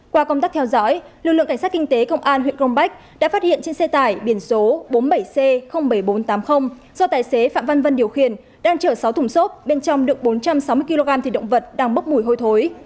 qua công tác theo dõi lực lượng cảnh sát kinh tế công an huyện crong bách đã phát hiện trên xe tải biển số bốn mươi bảy c bảy nghìn bốn trăm tám mươi do tài xế phạm văn vân điều khiển đang chở sáu thùng xốp bên trong đựng bốn trăm sáu mươi kg thịt động vật đang bốc mùi hôi thối